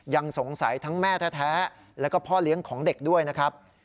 ยังสงสัยทั้งแม่แท้แล้วก็พ่อเลี้ยงของเด็กด้วยนะครับ